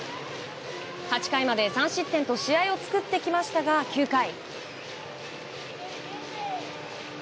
８回まで３失点と試合を作ってきましたが、９回。